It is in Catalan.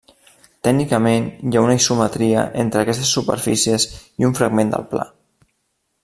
Tècnicament hi ha una isometria entre aquestes superfícies i un fragment del pla.